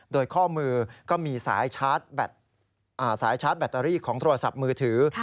โดยข้อมือก็มีสายชาร์จสายชาร์จแบตเตอรี่ของโทรศัพท์มือถือ